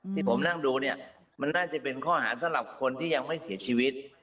ที่ผมนั่งดูเนี่ยมันน่าจะเป็นข้อหาสำหรับคนที่ยังไม่เสียชีวิต